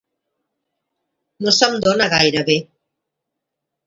No se'm dona gaire bé.